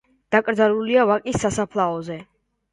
დაკრძალულია ვაკის სასაფლაოზე.